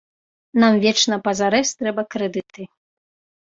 Нам вечна пазарэз трэба крэдыты.